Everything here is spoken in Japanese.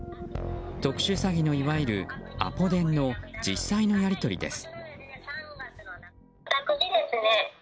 特殊詐欺の、いわゆるアポ電の実際のやり取りです。